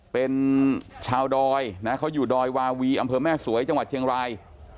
เป็นชาวดอยนะเขาอยู่ดอยวาวีอำเภอแม่สวยจังหวัดเชียงราย